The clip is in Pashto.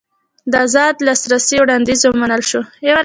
د ازاد لاسرسي وړاندیز ومنل شو.